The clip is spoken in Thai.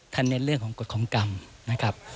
เน้นเรื่องของกฎของกรรมนะครับ